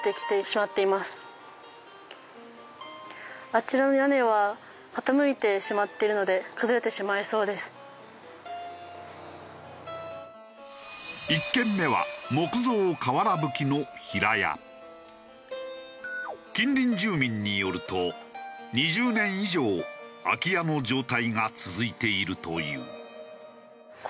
あちらの１軒目は近隣住民によると２０年以上空き家の状態が続いているという。